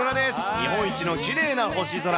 日本一きれいな星空。